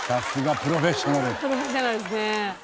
プロフェッショナルですね。